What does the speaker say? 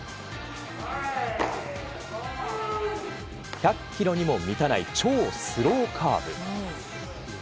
１００キロにも満たない超スローカーブ。